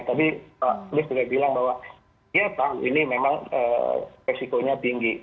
tapi pak nus juga bilang bahwa ya pak ini memang resikonya tinggi